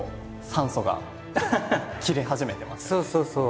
そうそうそう。